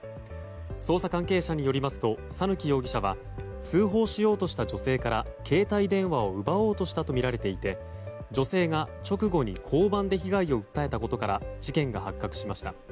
捜査関係者によりますと讃岐容疑者は通報しようとした女性から携帯電話を奪おうとしたとみられていて女性が直後に交番で被害を訴えたことから事件が発覚しました。